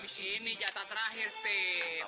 ini jatah terakhir steve